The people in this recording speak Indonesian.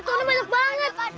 ketua ini banyak banget